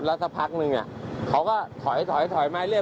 แล้วสักพักนึงเขาก็ถอยมาเรื่อย